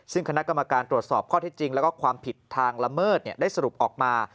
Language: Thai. ซึ่งคณะกรรมการตรวจสอบข้อที่จริงแล้วก็ความผิดทางละเมิดได้สรุปออกมา